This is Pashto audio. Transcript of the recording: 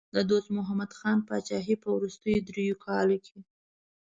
د دوست محمد خان پاچاهۍ په وروستیو دریو کالو کې.